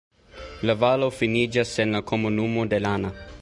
La valo finiĝas en la komunumo de Lana.